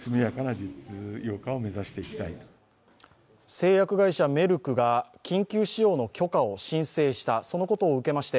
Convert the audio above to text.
製薬会社メルクが緊急使用の許可を申請したことを受けまして、